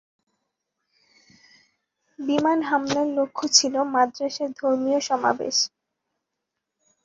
বিমান হামলার লক্ষ্য ছিল মাদ্রাসার ধর্মীয় সমাবেশ।